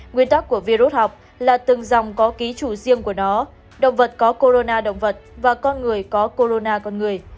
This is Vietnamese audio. nguyên tắc của virus học là từng dòng có ký chủ riêng của nó động vật có corona động vật và con người có corona con người